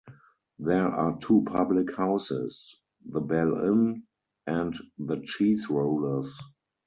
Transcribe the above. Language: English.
There are two public houses: the "Bell Inn" and "The Cheese Rollers".